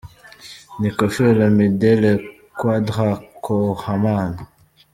Ni Koffi Olomide, Le Quadra Koraman.